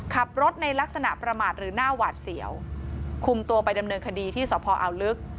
ขับรถในลักษณะประมาทหรือหน้าหวาดเสียวคุมตัวไปดำเนินคดีที่สพอาวลึก